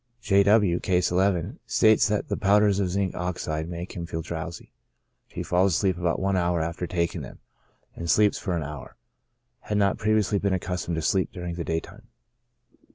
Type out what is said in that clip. J. W —, (Case 11,) states that the powders of oxide of zinc makes him feel drowsy ; he falls asleep about one hour after taking them, and sleeps for an hour ; had not previously been accustomed to sleep during the daytime.